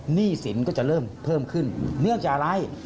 หนี้สินก็จะเริ่มเพิ่มขึ้นเนื่องจากอะไร